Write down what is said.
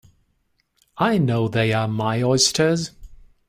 I know they are my oysters.